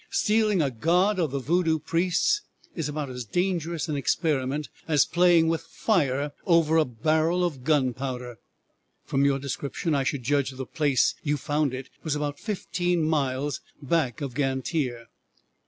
Stealing a god of the Voodoo priests is about as dangerous an experiment as playing with fire over a barrel of gunpowder. From your description I should judge the place you found it was about fifteen miles back of Gantier."